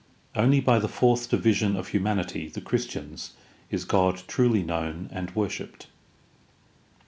Only by the fourth division of humanity, the Christians, is God truly known and worshiped.